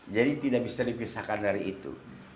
jadi tidak bisa dipisahkan dari itu